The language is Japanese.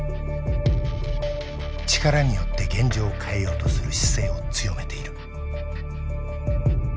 力によって現状を変えようとする姿勢を強めている。